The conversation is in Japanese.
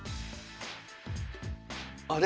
あれ？